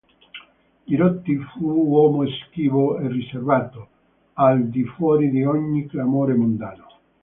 Girotti fu uomo schivo e riservato, al di fuori di ogni clamore mondano.